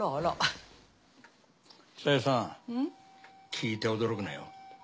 聞いて驚くなよ？